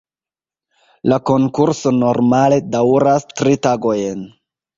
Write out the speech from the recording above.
La konkurso normale daŭras tri tagojn.